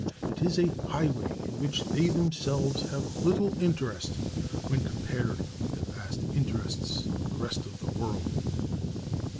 It is a highway in which they themselves have little interest when compared with the vast interests of the rest of the world.